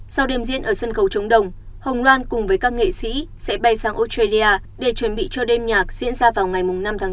sau đêm diễn ở sân khấu chống đồng hồng loan cùng với các nghệ sĩ sẽ bay sang australia để chuẩn bị cho đêm nhạc diễn ra vào ngày năm tháng chín